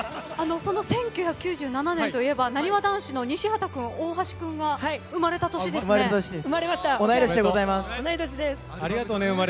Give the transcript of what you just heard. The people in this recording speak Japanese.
その１９９７年といえばなにわ男子の西畑君、大橋君が同い年でございます。